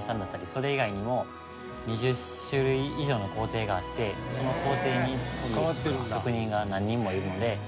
それ以外にも２０種類以上の工程があってその工程に職人が何人もいるので。